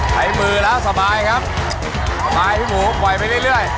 ใช้มือแล้วสบายครับพายพี่หมูปล่อยไปเรื่อย